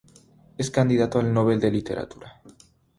Es candidato al Nobel de literatura.